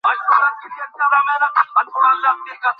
সে কি অন্য কোন সংস্থার সাথে যোগাযোগ করেছিল?